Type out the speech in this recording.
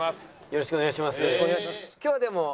よろしくお願いします。